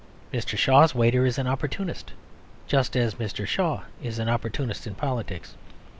Mr. Shaw's waiter is an opportunist, just as Mr. Shaw is an opportunist in politics.